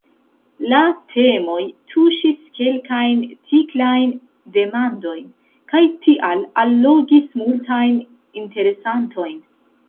La temoj tuŝis kelkajn tiklajn demandojn, kaj tial allogis multajn interesantojn.